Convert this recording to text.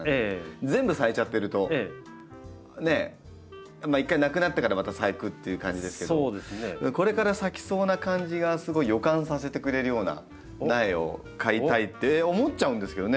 全部咲いちゃってるとね一回なくなってからまた咲くっていう感じですけどこれから咲きそうな感じがすごい予感させてくれるような苗を買いたいって思っちゃうんですけどね。